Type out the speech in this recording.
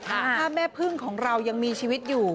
ถ้าแม่พึ่งของเรายังมีชีวิตอยู่